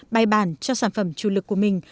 bài bản cho sản phẩm chủ lực của mình